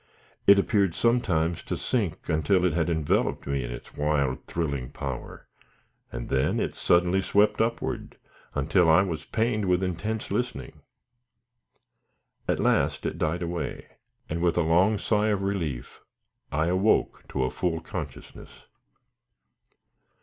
It appeared sometimes to sink until it had enveloped me in its wild thrilling power, and then it suddenly swept upward, until I was pained with intense listening. At last, it died away, and with a long sigh of relief I awoke to full consciousness.